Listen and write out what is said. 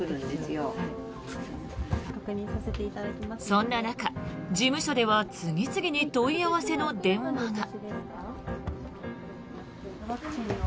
そんな中、事務所では次々に問い合わせの電話が。